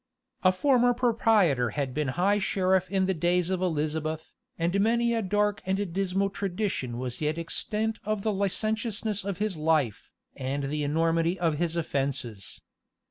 A former proprietor had been high sheriff in the days of Elizabeth, and many a dark and dismal tradition was yet extant of the licentiousness of his life, and the enormity of his offenses.